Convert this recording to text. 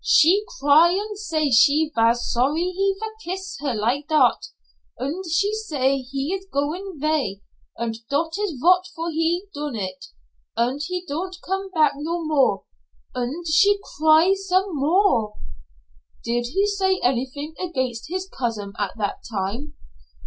She cry, und say she vas sorry he vas kiss her like dot, und he say he is goin' vay, und dot is vot for he done it, und he don't come back no more, und she cry some more." "Did he say anything against his cousin at that time?"